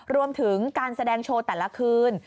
รวมถึงการแสดงโชว์แต่ละคืน